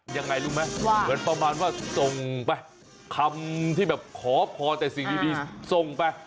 ยังไงรู้ไหมเหมือนประมาณว่าส่งไปคำที่แบบขอพรแต่สิ่งดีส่งไป